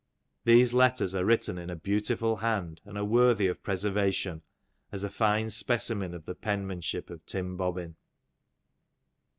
These letters are written in a beautiful hand, and are worthy of preservation, as a fine specimen of the penmanship of Tim Bobbin.